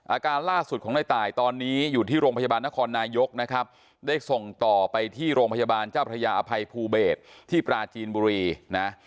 อาการล่าสุดของในตายตอนนี้อยู่ที่โรงพยาบาลนครนายกนะครับได้ส่งต่อไปที่โรงพยาบาลเจ้าพระยาอภัยภูเบศที่ปราจีนบุรีนะ